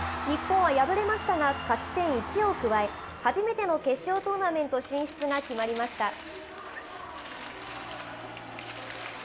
日本は敗れましたが、勝ち点１を加え、初めての決勝トーナメント進出が決まりました。